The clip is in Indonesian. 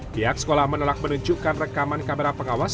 pihak sekolah menolak menunjukkan rekaman kamera pengawas